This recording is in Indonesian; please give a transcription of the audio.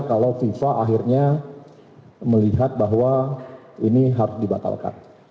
kalau fifa akhirnya melihat bahwa ini harus dibatalkan